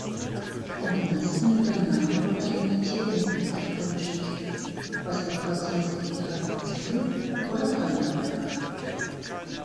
Komponisten übernahmen oder imitierten pentatonische Themen aus der Volksmusik ihrer Nation oder fremder Völker.